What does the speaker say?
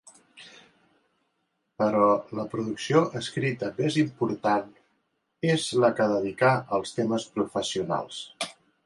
Però la producció escrita més important és la que dedicà als temes professionals.